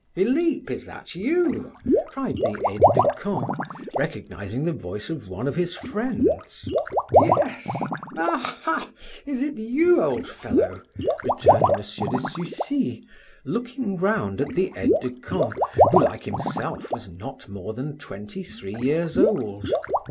"Philip, is that you?" cried the aide de camp, recognizing the voice of one of his friends. "Yes. Aha! is it you, old fellow?" returned M. de Sucy, looking round at the aide de camp, who like himself was not more than twenty three years old.